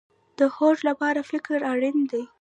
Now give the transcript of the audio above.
د هوډ لپاره فکر اړین دی